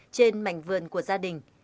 trên mảnh vườn của gia đình